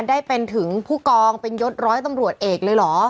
ได้เป็นถึงผู้กองเป็นยศร้อยตำรวจเอกเลยเหรอ